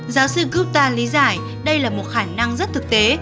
giáo sư gutta lý giải đây là một khả năng rất thực tế